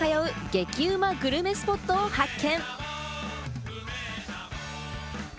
激ウマグルメスポットを発見！